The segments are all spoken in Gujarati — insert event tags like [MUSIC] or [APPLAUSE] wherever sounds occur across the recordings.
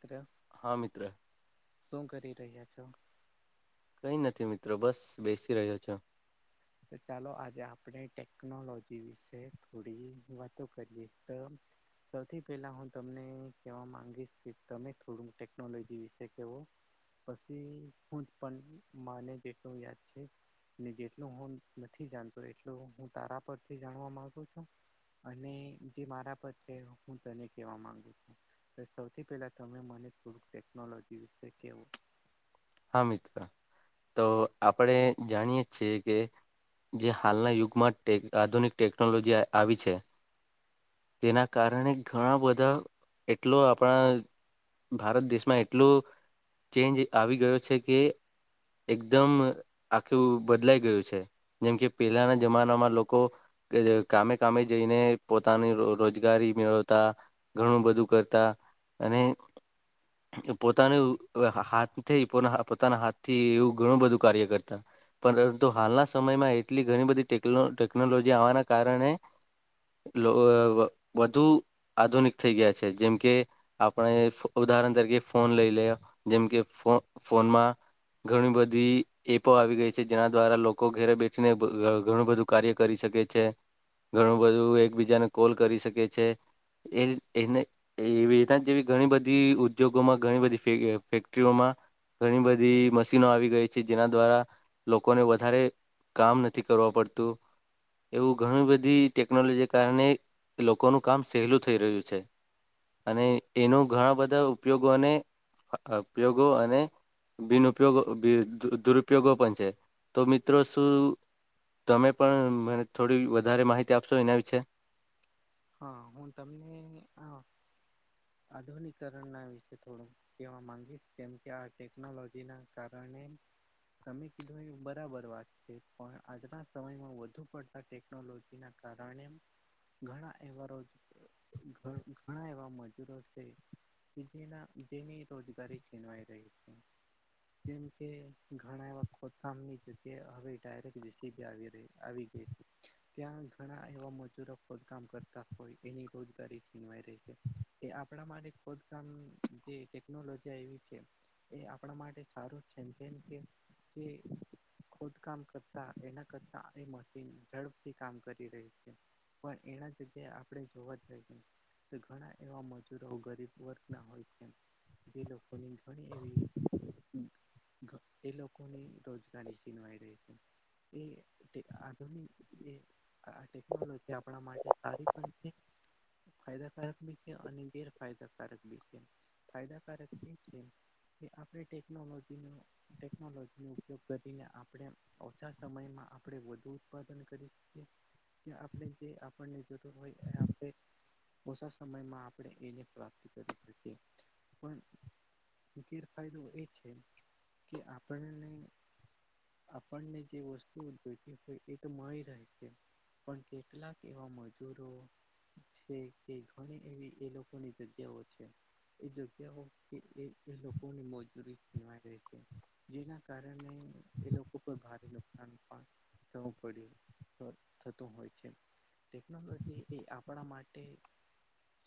ત્ર હા મિત્ર શું કરી રહ્યા છો કઈ નથી મિત્રો બસ બેસી રહ્યો છો. તો ચાલો આજે આપણે ટેકનોલોજી વિશે થોડી વાતો કરીએ તો. સૌથી પહેલા હું તમને કહેવા મામાંગીશ કે તમે થોડુંક ટેકનોલોજી વિશે કહેવો. પછી હું જ પણ માને જેટલું યાદ છે ને જેટ. એટ હું નથી જાણતો એટલ હું તારા પરથી જાણવા મામાંગુ છું. અને જે મારા પર છે હું તને કેવા માંગુ છું. સૌથી પહેલા તમે મને થોડુંક ટેકનોલોજી વિશે કેવો. હા મિત્ર તો આપણેે જાણીય છીએ કે. જે હાલના યુગમાં આધુનિક ટેકનોલોજી આવી છે. તેના કારણે ઘણા બધા એટલો આપણા. ભારત દેશમાં એટલો ચેન્જ આવી ગયો છે કે. એકદમ આખું બદલાઈ ગયું છે જેમ કે પેલાના જમાનામાં લોકો. કે કામે કામે જઈને પોતાની રોજગારી મેળવતા ઘણું બધું કરતા અને પોતાનું હાથથી પોતાના હાથ થી એવું ઘણું બધું કાર્ય કરતા પરંતુ હાલના સમયમાં એટલી ઘણી બધીટે ટેકનોલોજી આવવાના કારણે વધુ આધુનિક થઈ ગયા છે જેમ કે આપણે ઉદાહરણ તરીકે ફોન લઈ લે જેમ કે ફોનમાં ઘણી બધી એપો આવી ગઈ છે જેના દ્વારા લોકો ઘેરે બેઠીને ઘણું બધું કાર્ય કરી શકે છે ઘણું બધું એકબીજાને કોલ કરી શકે છે એ એને એવી એના જેવી ઘણી બધી ઉદ્યોગોમાં ઘણી બધી ફેક્ટરીઓમાં ઘણી બધી મશીનો આવી ગઈ છે જેના દ્વારા લોકોને વધારે કામ નથી કરવા પડતું એવું ઘણી બધી ટેકનોલોજી કારણે લોકોનું કામ સહેલું થઈ રહ્યું છે અને એનું ઘણા બધા ઉપયોગો અને ઉપયોગો અને બિનુ ઉપયોગો દુરુપયોગો પણ છે તો મિત્રો શું તમે પણ મને થોડી વધારે માહિતી આપશો એના વિશે હા હું તમને હ આધુનકરણના વિશે્ય થોડું કેવા માંગીશ કે કે આ ટેકનોલોજી ના કારણે તમે કીધો એ બરાબર વાત છે પણ આજના સમયમાં વધુ પડ ટેકનોલોજી ના કારણે ઘણા અવારો ઘણા એવા મ જેના જેની રોજગારી છીનવાઈ રહી છે. જેમ કે ઘણા એવા ખોથામની જગ્યા હવે ડાયરેક્ટ જીસીબી આવી રહી આવી ગઈ. ત્યાં ઘણા એવા મજૂરો ખદકામ કરતા હોય એની રોજગારી છીનવાય રહી છે કે આપણા માટે ખોદામ જે ટેકનોલોજી આવી છે એ આપણા માટે સારું જ છે જેમ કે જે ખોદકામ કરતા એના કરતા એ મશીન ઝડપથી કામ કરી રહી છે પણ એના જગ્યાએ આપણે જોવા જઈએ તો ઘણા એવા મજૂરો ગરીબ વર્ગના હોય છે જે લોકોની ઘણી એવી એ લોકોની રોજગારી સીનવાઈ રહી છે એ આધુનિક એ આ ટેકનોલોજી આપણા માટે સારી પણ છે ફાયદાકારક બી અને ગેરફાયદાકારક છે ફાયદાકારક એ છે કે આપણે ટેકનોલોજીનો ટેકનોલોજીનોો ઉપયોગ કરીને આપણે ઓછા સમયમાં આપણે વધુ ઉત્પાદન કરી શકીએ. આપણે જે આપણને જોતોું હોય એ આપણે ઓછ સમયમાં આપણે એની પ્રાપ્તિ કરી શકીએ પણ ગેરફાયદો એ છે કે આપણને આપણને જે વસ્તુ ઉદભવીતી હો એ તો માય રહે છે. પણ કેટલાક એવા મજૂરો છે કે ઘણી એવી એ લોકોની જગ્યાઓ છે. એ જગ્યા કે એ એ લોકોની મજૂરી છીનવાય છે. જેના કારણે એ લોકો પર ભારે નુકસાન પણ થવું પડ્યું થતું હોય છે ટેકનોલોજી એ આપણા માટે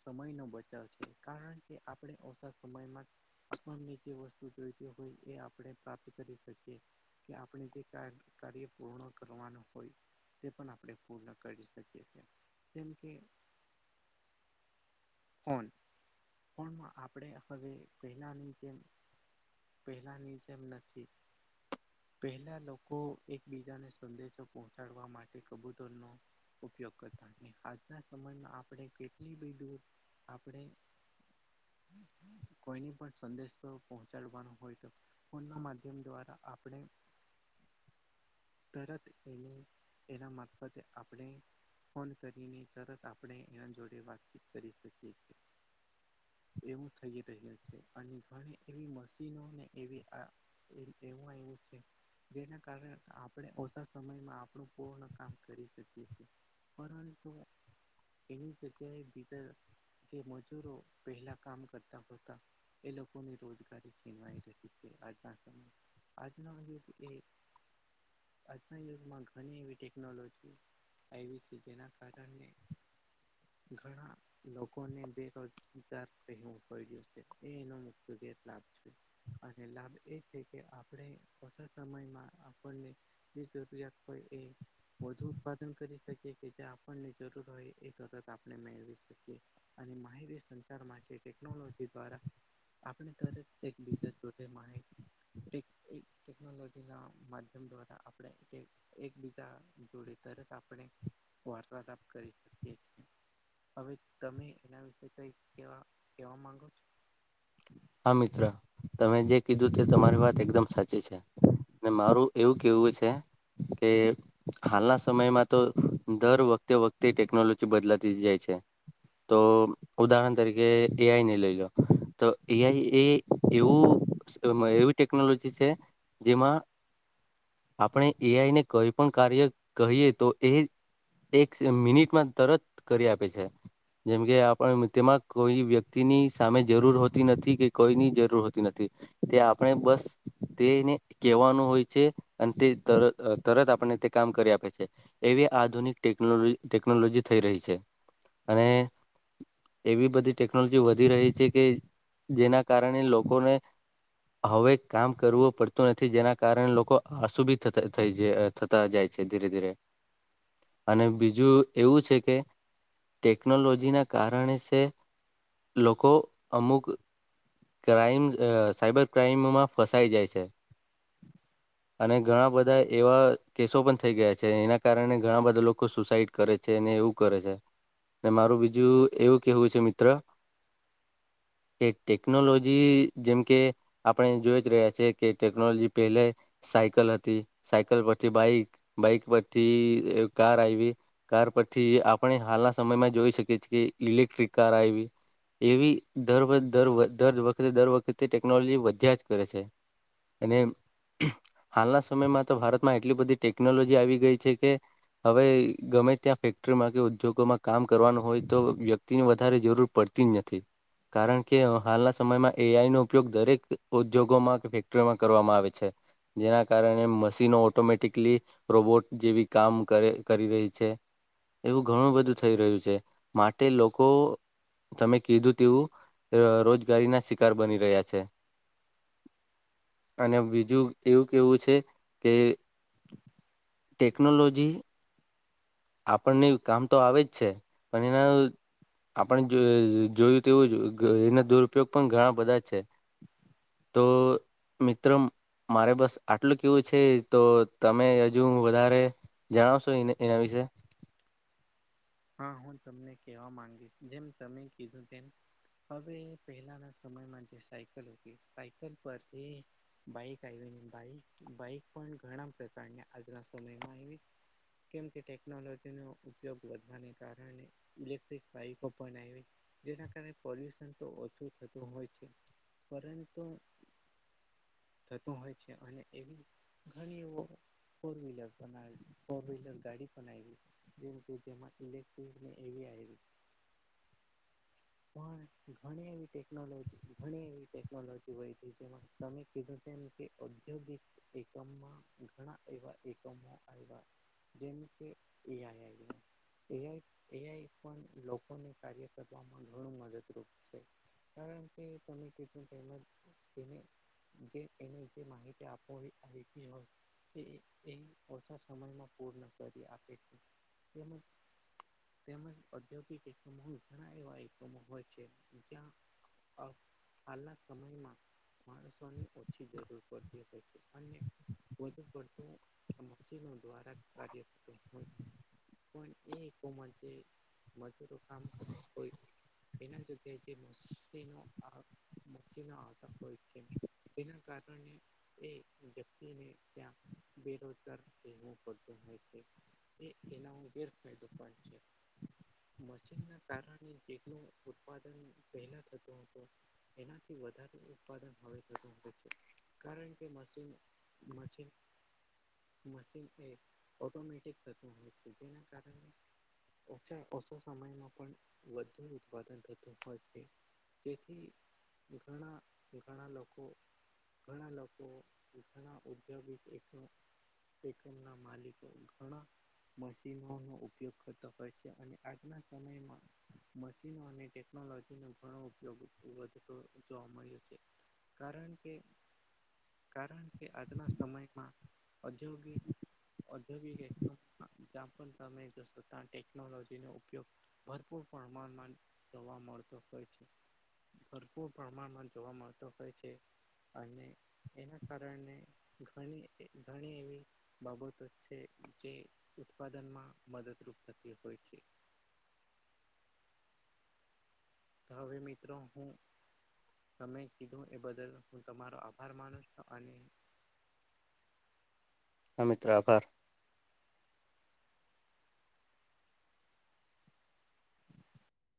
સમય નો બચાવ છે કારણ કે આપણે ઓછા સમયમાં આપણને જે વસ્તુ જોઈતી હોય એ આપણે પ્રાપ્ત કરી શકીએ. કે આપણે જે કાર્ય પૂર્ણ કરવાનું હોય. તે પણ આપણે પૂર્ણ કરી શકીએ છીએ કેમ કે ફોન ફોનમાં આપણે હવે પહેલા ની જેમ પહેલાની જેમ નથી. પહેલા લોકો એકબીજાને સંદેશો પહોંચાડવા માટે કબૂતરનો ઉપયોગ કરતા આજના સમયમાં આપણે કેટલી બધું આપણે કોઈ ની પણ સંદેશ તો પહોચ ચડવાનું હોય તો ફોન ના માધ્યમ દ્વારા આપણે તરત એને એના મારફતે આપણે ફોન કરીને તરત આપણે એના જોડે વાતચીત કરી શકીએ છીએ. એવું થઈ રહ્યું છે અને ઘણી એવી મશીનોને એવી આ એવું એવું છે જેના કારણે આપણે ઓછા સમયમાં આપણું પૂર્ણ કામ કરી શકીએ છીએ. પરંતુ એની જગ્યાએ બીજ જે મજૂરો પહેલા કામ કરતાતા એ લોકોની રોજ છીનવા રહી છે આજ સમય આજનો યુગ એ આજના યુગમાં ઘણી એવી ટેકનોલોજી આવી છે જેના કારણે ઘણા લોકોને બેરોજગાર રેવું પડયું છે એનો મુખ લાભ છે અને લાભ એ છે કે આપણે ઓછા સમયમાં આપણને જે જરૂરિયાત હોય એ વધુ ઉત્પાદન કરી શકીએ કે જે આપણને જરૂર હોય એ તરત આપણે મેળવી શકીએ. અને માહિતી સંચાર માટે ટેકનોલોજી દ્વારા ત્યારે એક બીજા જોથે મા તે એક ટેકનોલોજીના માધ્યમ દ્વારા આપણે તે એકબીજા જોડે તરત આપણે વાર્તાદાપ કરી શકીએ છીએ. હવે તમે એના વિશે કઈ કેવા કેવા માંગો છો. હ [UNINTELLIGIBLE] હા મિત્ર તમે જે કીધું તે તમારી વાત એકદમ સાચી છે. ને મારું એવું કેવું છે કે હાલના સમયમાં તો દર વખતે વખતે ટેકનોલોજી બદલાતી જાય છે. તો ઉદાહરણ તરીકે એઆઈ ને લઈ લો. તો એઆઈ એ એવું એવી ટેકનોલોજી છે જેમાં આપણે એઆઈ ને કોઈ પણ કાર્ય કહીએ તો એ એક મિનિટમાં તરત કરી આપે છે. જેમકે આપ તેમાં કોઈ વ્યક્તિની સામે જરૂર હો તી નથી કે કોઈની જરૂર હોતી નથી. તે આપણે બસ તેને કેવાનું હોય છે. અને તે તર તરત આપને તે કામ કરી આપે છે. એવી આધુનિક ટેકનો ટેકનોલોજી થઈ રહી છે અને એવી બધી ટેકનોલોજી વધી રહી છે કે જેના કારણે લોકોને. હવે કામ કરવું પડતું નથી જેના કારણે લોકો આસુભી થઈ જ થતા જાય છે ધીરે ધીરે. [INAUDIBLE] અને બીજું એવું છે કે. ટેકનોલોજીના કારણે છે લોકો અમુક [INAUDIBLE] ક્રાઈમ સાઈબર ક્રાઈમમાં ફસાઈ જાય છે અને ઘણા બધા એવા કેસો પણ થઈ ગયા છે એના કારણે ઘણા બધા લોકો સુસાઈડ કરે છે ને એવું કરે છે ને મારું બીજું એવું કેવું છે મિત્ર. ઠીક ઠીક. ટેકનોલોજી જેમકે આપણે જોઈ જ રહ્યા છે કે ટેકનોલોજી પહેલે. સાયકલ હતી સાયકલ પરથી બાઈક બાઈક પરથી કાર આવી. કાર પછી આપણે હાલના સમયમાં જોઈ શકીએ છીએ કે ઇલેક્ટ્રિક કાર આવી. એવી દર વ દર વખતે દર વખતે ટેકનોલોજી વધ્યા જ કરે છે. અને હાલના સમયમાં તો ભારતમાં એટલી બધી ટેકનોલોજી આવી ગઈ છે કે હવે ગમે ત્યાં ફેક્ટરીમાં કે ઉદ્યોગોમાં કામ કરવાનું હોય તો વ્યક્તિ ની વધારે જરૂર પડતી જ નથી કારણ કે હાલના સમયમાં એઆઈ નો ઉપયોગ દરેક ઉદ્યોગોમાં કે ફેક્ટરીમાં કરવામાં આવે છે. જેના કારણે મશીનો ઓટોમેટિકલી રોબોટ જેવી કામ કરે કરી રહી છે. એવું ઘણું બધું થઈ રહ્યું છે માટે લોકો. તમે કીધું તેવું રોજગારીના શિકાર બની રહ્યા છે. અને બીજું એવું કેવું છે કે [UNINTELLIGIBLE] ટેક્નોલોજી. આપણને કામ તો આવે જ છે પણ એના. આપણે જો જોયું તેવું જ એના દુરુપયોગ પણ ઘણા બધા છે. [UNINTELLIGIBLE] તો મિત્રમ. મારે બસ આટલું કેવું છે તો તમે હજુ વધારે. જણાવશો એ એના વિશે. હા હું તમને કેવા માંગીશ જેમ તમે કીધું તેમ હવે પહેલાના સમયમાં જે સાયકલ હતી સાયકલ પરથી. બાઈક આવીને બાઈક બાઈક પણ ઘણા પ્રકારને આજના સમયમાં આવી. કેમ કે ટેકનોલોજી નો ઉપયોગ વધુ. કારણે ઇલેક્ટ્રિક વાઇકો પણ આવી. જેના કારણે પોલ્યુશન તો ઓછું થતું હોય છે પરંતુ. થતું હોય છે અને એવી ઘણી એ ફોર વ્હીલર બના ફોર વ્હીલર ગાડી બનાવી જેમ કે જેમાં ઈલેક્ટ્રીક ને એવી આઈવી પણ ઘણી એવી ટેકનોલોજી ઘણી એવી ટેકનોલોજી હોય હતી જેમાં તોમે કીધું તેમ ન કે ઔધોગિક એકમમાં ઘણા એવા એકમો આવ્યા જેમ કે એ આઈ આઇવુ એઆઈ એઆઈ પણ લોકોને કાર્ય કરવામાં ઘણું મદદરૂપ છે. કારણ કે તમે કીધું તેમ જ એને જે એને જે માહિતી આપોહી આવીતી હોય [UNINTELLIGIBLE] એ ઓછા સમયમાં પૂર્ણ કરી આપે છે તેમજ તેમજ ઔદ્યોગિક એકમો ઘણા એવા એકમો હોય છે જ્યાં અ હાલના સમયમાં માણસોની ઓછી જરૂર પડતી હોય છે અને વધુ પડતું મશીનો દ્વારા જ કાર્ય હોય એ એકમો જે મજૂરો કામ કર કોઈ એના જગ્યાએ જે મશીનો આ મશીનો આવતા હોય કે તેના કારણે એ વ્યક્તિને ત્યાં બેરોજગાર બેહવું પડતું હોય છે. એ એના હું ગેરફાયદો પણ છે. મશીન ના કારણે જેનું ઉત્પાદન પહેલા થતું હતું એનાથી વધારે ઉત્પાદન હવે થતું હોય છે. કારણ કે મશીન મછીન મશીન એ ઓટોમેટિક થતું હોય છે જેના કારણે ઓછા ઓછા સમયમાં પણ વધુ ઉત્પાદન થતું હોય છે. જેથી ઘણા ઘણા લોકો ઘણા લોકો ઘણા ઉદ્યોગિક એક એકમના માલિકો ઘણા મશીન નો ઉપયોગ કરતો હોય છે અને આજના સમયમાં મશીનો અને ટેકનોલોજીનો ઘણો ઉપયોગ વધતો જોવા મળ્યો છે. કારણ કે કારણ કે આજના સમયમાં ઔદ્યોગિક ઔદગિક એકમ જ્યાં પણ તમે જશો ત્યાં ટેકનોલોજીનો ઉપયોગ ભરપૂર પ્રમાણમાં જોવા મળતો હોય છે. ભરપૂર પ્રમાણમાં જોવા મળતો હોય છે, અને એના કારણે ઘણી એ ઘણી એવી બાબતો છે જે ઉત્પાદનમાં મદદરૂપ થતી હોય છે. તો હવે મિત્રો હું તમે કીધું એ બદલ હું તમારો આભાર માનું છું અને હા મિત્ર આભાર. [INAUDIBLE]